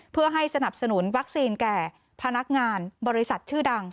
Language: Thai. เพื่อให้สนับสนุนวัคซีนแก่พนักงานบริษัทชื่อดัง